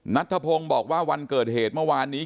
นัทธพงศ์บอกว่าวันเกิดเหตุเมื่อวานนี้